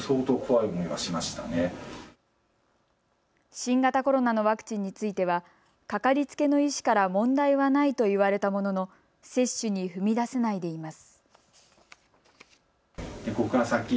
新型コロナのワクチンについてはかかりつけの医師から問題はないと言われたものの接種に踏み出せないでいます。